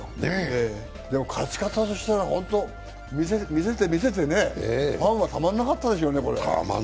勝ち方としては見せて見せて、ファンはたまらなかったでしょうね、これは。